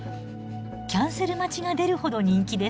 キャンセル待ちが出るほど人気です。